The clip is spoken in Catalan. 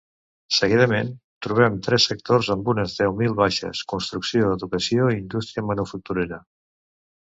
Seguidament, trobem tres sectors amb unes deu mil baixes: construcció, educació i indústria manufacturera.